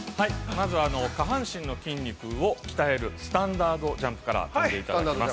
まず下半身の筋肉を鍛えるスタンダードジャンプから跳んでいただきます。